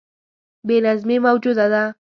بې نظمي موجوده ده.